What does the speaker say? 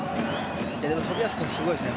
でも冨安君、すごいですね。